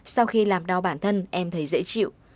sau khi làm đau bản thân em thấy dễ chịu